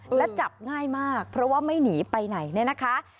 และจับง่ายมากเพราะว่าไม่หนีไปไหนเนี่ยนะคะ